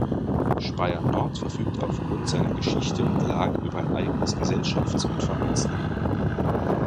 Speyer-Nord verfügt aufgrund seiner Geschichte und Lage über ein eigenes Gesellschafts- und Vereinsleben.